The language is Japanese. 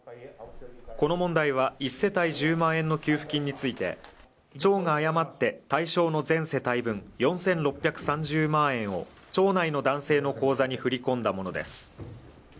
この問題は１世帯１０万円の給付金について、町が誤って対象の全世帯分４６３０万円を町内の男性の口座に振り込んだものです。